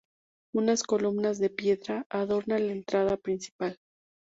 Unas columnas de piedra adornan la entrada principal.